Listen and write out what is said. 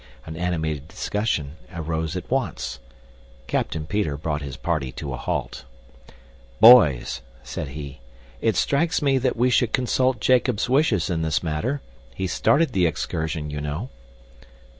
An animated discussion arose at once. Captain Peter brought his party to a halt. "Boys," said he, "it strikes me that we should consult Jacob's wishes in this matter. He started the excursion, you know."